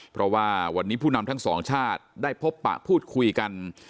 เพราะว่าวันนี้ผู้นำทั้งสองชาติได้พบปะพูดคุยกัน